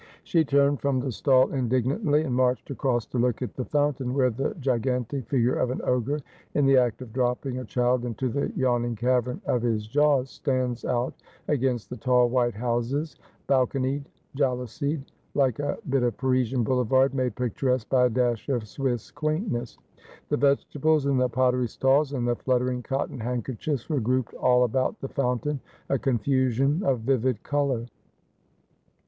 She turned from the stall indignantly, and marched across to look at the fountain, where the gigantic figure of an ogre, in the act of dropping a child into the yawning cavern of his jaws, stands out against the tall white houses, balconied, jalousied, like a bit of Parisian boulevard made picturesque by a dash of Swiss quaintness. The vegetables and the pottery stalls, and the fluttering cotton handkerchiefs were grouped all about the fountain, a confusion of vivid colour.